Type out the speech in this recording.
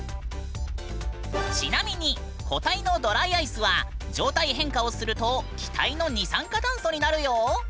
ちなみに固体のドライアイスは状態変化をすると気体の二酸化炭素になるよ！